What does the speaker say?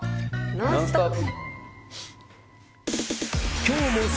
ノンストップ！